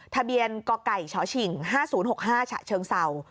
ทะเบียนกไก่เฉาะชิงห้าศูนย์หกห้าฉะเชิงเศร้า